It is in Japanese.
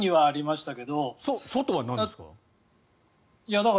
外はなんですか？